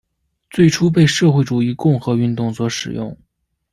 最初被社会主义共和运动所使用。